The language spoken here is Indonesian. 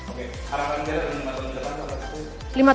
oke karang karenanya ada lima tahun ke depan apa